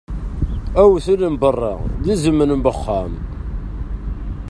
Awtul n beṛṛa, d izem n uxxam.